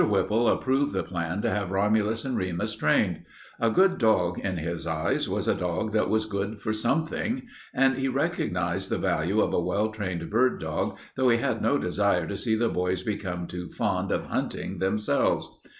Whipple approved the plan to have Romulus and Remus trained. A good dog, in his eyes, was a dog that was good for something, and he recognized the value of a well trained bird dog though he had no desire to see the boys become too fond of hunting themselves.